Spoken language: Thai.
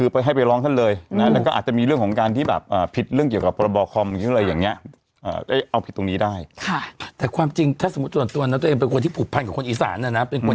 ไปว่ากับเขาทำไมก่อน